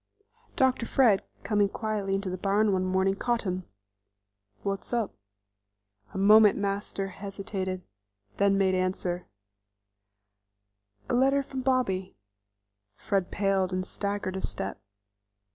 Dr. Fred, coming quietly into the barn one morning, caught him. "What's up?" A moment Master hesitated, then made answer: "A letter from Bobby." Fred paled and staggered a step.